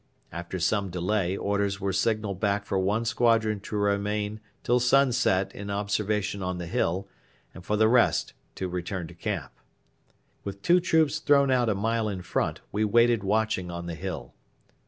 After some delay orders were signalled back for one squadron to remain till sunset in observation on the hill and for the rest to return to camp. With two troops thrown out a mile in front we waited watching on the hill.